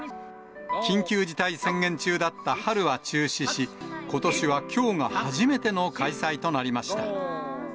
緊急事態宣言中だった春は中止し、ことしはきょうが初めての開催となりました。